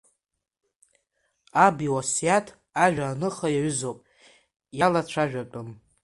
Аб иуасиаҭ ажәа аныха иаҩызоуп, иалацәажәатәым.